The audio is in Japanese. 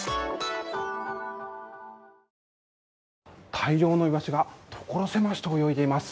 大量のいわしが所狭しと泳いでいます。